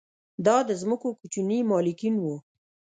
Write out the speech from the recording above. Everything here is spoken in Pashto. دا د ځمکو کوچني مالکین وو